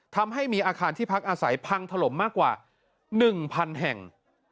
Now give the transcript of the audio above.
ทำให้มีอาคารที่พักอาศัยพังถล่มมากกว่า๑๐๐๐แห่ง